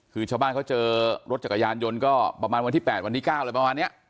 คือชาวบ้านเขาเจอรถจักรยานยนต์ก็ประมาณวันที่๘วันที่๙อะไรประมาณนี้